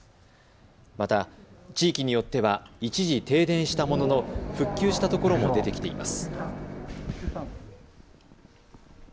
また、地域によっては一時停電したものの復旧したところも出てきています。